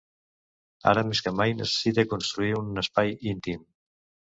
Ara més que mai necessite construir un espai íntim.